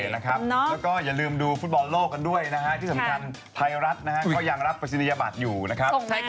แล้วก็อย่าลืมดูฟุตบอลโลกกันด้วยนะฮะที่สำคัญไทยรัฐก็ยังรับปริศนียบัตรอยู่นะครับ